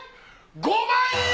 ５万円！